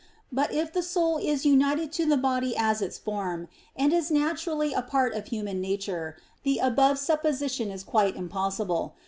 But if the soul is united to the body as its form, and is naturally a part of human nature, the above supposition is quite impossible.